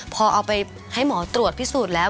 พอเอาไปให้หมอตรวจพิสูจน์แล้ว